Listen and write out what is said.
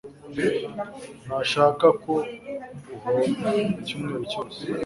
Ntashaka ko uhomba icyumweru cyose.